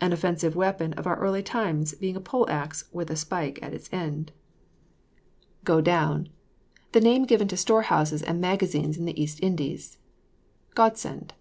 An offensive weapon of our early times, being a poleaxe with a spike at its end. GO DOWN. The name given to store houses and magazines in the East Indies. GODSEND.